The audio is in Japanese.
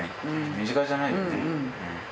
身近じゃないよね。